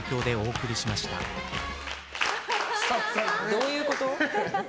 どういうこと？